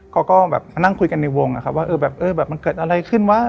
เขาก็มานั่งคุยกันในวงว่ามันเกิดอะไรขึ้นวะ